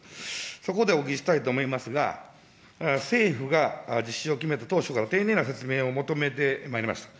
そこでお聞きしたいと思いますが、政府が実施を決めた当初から丁寧な説明を求めてまいりました。